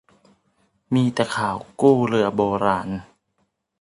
มีแต่ข่าวกู้เรือโบราณ